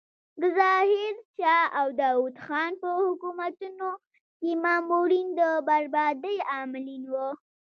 د ظاهر شاه او داود خان په حکومتونو کې مامورین د بربادۍ عاملین وو.